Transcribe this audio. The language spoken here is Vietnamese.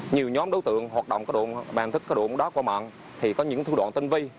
nhiều nhóm đối tượng hoạt động bản thức cá độ bóng đá của mạng thì có những thư đoạn tinh vi